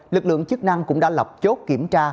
lực lượng chức năng cũng đã lập chốt kiểm tra